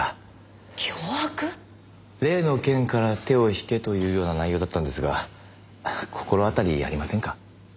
例の件から手を引けというような内容だったんですが心当たりありませんか？